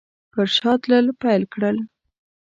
پر شا تلل پیل کړل.